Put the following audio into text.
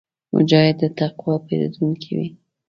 مجاهد د تقوا پېرودونکی وي.